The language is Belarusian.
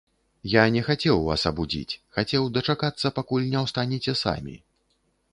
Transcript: Я не хацеў вас абудзіць, хацеў дачакацца, пакуль не ўстанеце самі.